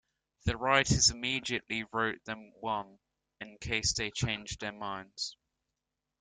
The writers immediately wrote them one, in case they changed their minds.